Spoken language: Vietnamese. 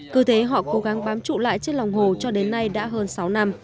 cứ thế họ cố gắng bám trụ lại trên lòng hồ cho đến nay đã hơn sáu năm